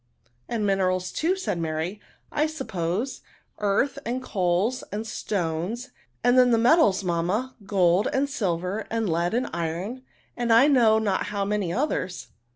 " And minerals, too," said Mary, '* I sup pose ; earth, and coals, and stones ; ajid then the metals, mamma, gold and silver, and lead and iron, and I know not how many others."